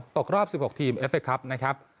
ตกรอบ๑๖ทีมเอฟเคครับนะครับ